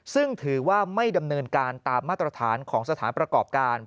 ซึ่งถือว่าไม่ดำเนินการตามมาตรฐานของสถานประกอบการ